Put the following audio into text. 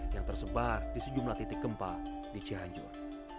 yang tersebar di sejumlah titik gempa di cianjur